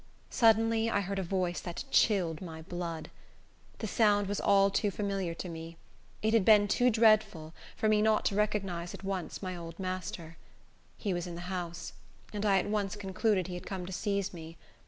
Suddenly I heard a voice that chilled my blood. The sound was too familiar to me, it had been too dreadful, for me not to recognize at once my old master. He was in the house, and I at once concluded he had come to seize me.